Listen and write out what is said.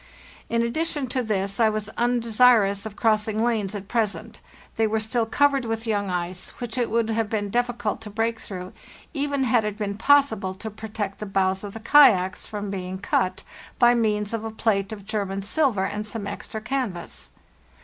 In addition to this I was un desirous of crossing lanes at present; they were still covered with young ice, which it would have been difficult to break through, even had it been possible to protect the bows of the kayaks from being cut, by means of a plate of German silver and some extra canvas.